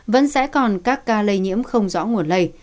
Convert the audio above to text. vẫn sẽ còn các ca lây nhiễm không rõ nguồn lây